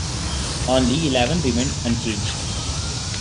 Only eleven remained unchanged.